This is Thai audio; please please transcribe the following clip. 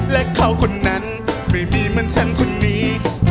และเขาคนนั้นไม่มีเหมือนฉันคนนี้